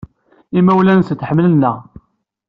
Imawlan-nsent ḥemmlen-aɣ.